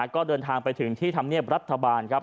ก็เดินทางไปถึงที่ธรรมเนียบรัฐบาลครับ